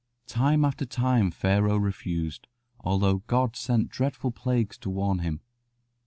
Time after time Pharaoh refused, although God sent dreadful plagues to warn him.